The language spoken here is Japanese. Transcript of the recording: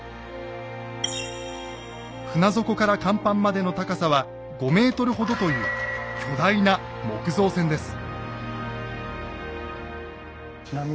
船底から甲板までの高さは５ｍほどという巨大な木造船です。